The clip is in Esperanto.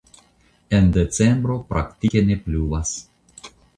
En decembro praktike ne pluvas.